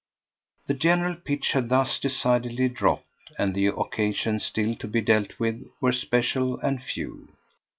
The general pitch had thus decidedly dropped, and the occasions still to be dealt with were special and few.